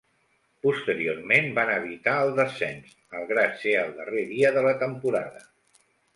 Posteriorment van evitar el descens, malgrat ser el darrer dia de la temporada.